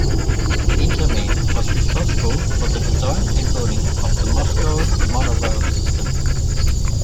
Intamin was responsible for the design and building of the Moscow Monorail System.